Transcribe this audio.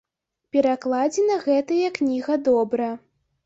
Перакладзена гэтая кніга добра.